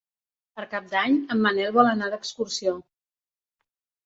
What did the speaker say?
Per Cap d'Any en Manel vol anar d'excursió.